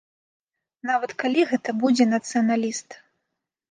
Нават калі гэта будзе нацыяналіст.